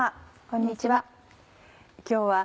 こんにちは。